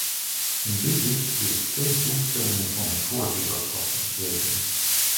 In dit licht wil ik twee doelstellingen van het voorzitterschap bespreken.